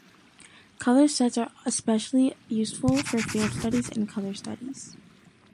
Colors sets are especially useful for field studies and color studies.